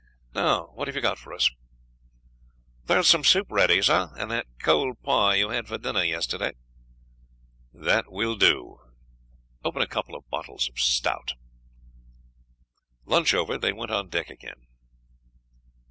Now what have you got for us?" "There is some soup ready, sir, and that cold pie you had for dinner yesterday." "That will do; open a couple of bottles of stout." Lunch over, they went on deck again.